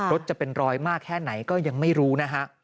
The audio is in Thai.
จะเป็นรอยมากแค่ไหนก็ยังไม่รู้นะฮะ